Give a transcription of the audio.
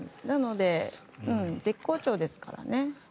なので絶好調ですからね。